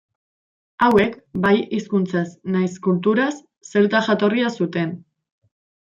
Hauek bai hizkuntzaz nahiz kulturaz zelta jatorria zuten.